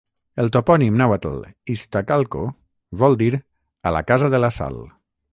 El topònim nàhuatl "Iztacalco" vol dir "a la casa de la sal".